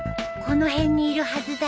この辺にいるはずだよ。